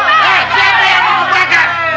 hei siapa yang mau gue bakar